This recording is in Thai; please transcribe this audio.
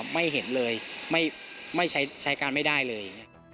ไม่เห็นเลยไม่ใช้การไม่ได้เลย